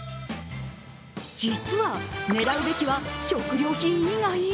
実は狙うべきは食料品以外！？